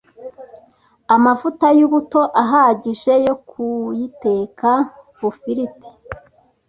amavuta y’ubuto ahagije yo kuyiteka bufiriti,